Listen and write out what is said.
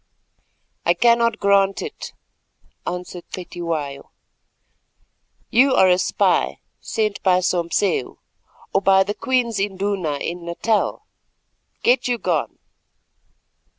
"I cannot grant it," answered Cetywayo, "you are a spy sent by Sompseu, or by the Queen's Induna in Natal. Get you gone."